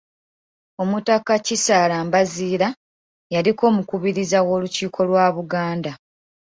Omutaka Kisaala Mbaziira yaliko omukubiriza w’Olukiiko lwa Buganda.